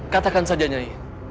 katakan saja nyai